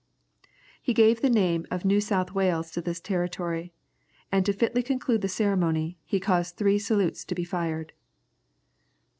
He gave the name of New South Wales to this territory, and to fitly conclude the ceremony, he caused three salutes to be fired.